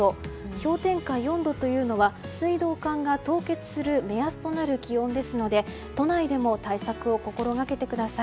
氷点下４度というのは水道管が凍結する目安となる気温ですので都内でも対策を心掛けてください。